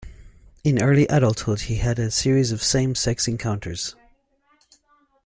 In early adulthood he had a series of same-sex encounters.